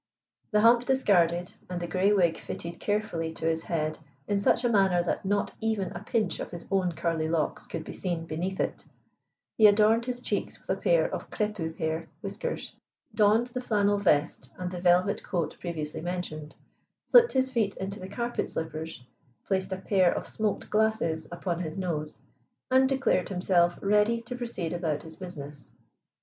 The hump discarded, and the grey wig fitted carefully to his head in such a manner that not even a pinch of his own curly locks could be seen beneath it, he adorned his cheeks with a pair of crépu hair whiskers, donned the flannel vest and the velvet coat previously mentioned, slipped his feet into the carpet slippers, placed a pair of smoked glasses upon his nose, and declared himself ready to proceed about his business.